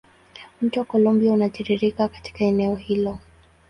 Mto Columbia unatiririka katika eneo hilo.